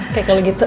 oke kalau gitu